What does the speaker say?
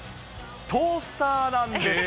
トースターなんです。